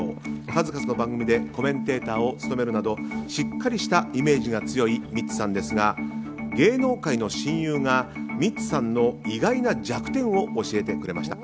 数々の番組でコメンテーターを務めるなどしっかりしたイメージが強いミッツさんですが芸能界の親友がミッツさんの意外な弱点を教えてくれました。